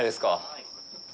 はい。